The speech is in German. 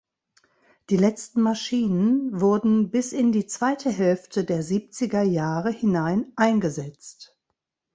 Die letzten Maschinen wurden bis in die zweite Hälfte der siebziger Jahre hinein eingesetzt.